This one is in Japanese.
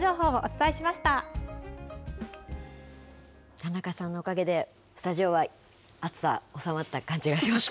田中さんのおかげで、スタジオは暑さ収まった感じがします。